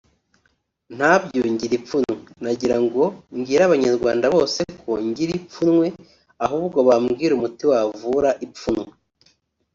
nabyo ngira ipfunwe nagirango mbwire abanyarwanda bose ko ngira ipfunwe ahubwo bambwire umuti wavura ipfunwe”